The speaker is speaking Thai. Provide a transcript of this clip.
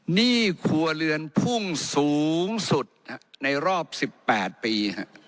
หนี้ครัวเรือนพุ่งสูงสุดในรอบ๑๘ปี